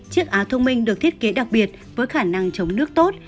chiếc áo thông minh được thiết kế đặc biệt với khả năng chống nước tốt